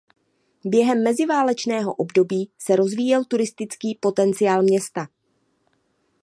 Během meziválečného období se rozvíjel turistický potenciál města.